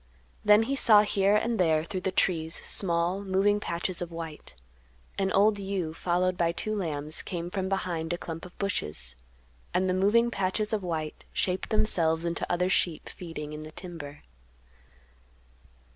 Then he saw here and there through the trees small, moving patches of white; an old ewe followed by two lambs came from behind a clump of bushes, and the moving patches of white shaped themselves into other sheep feeding in the timber.